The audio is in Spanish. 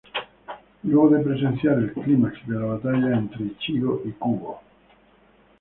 Luego de presenciar el clímax de la batalla entre Ichigo y Kūgo.